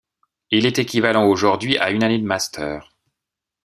Il est équivalent aujourd'hui à une année de Master.